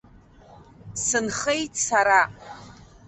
Сынхеит сара.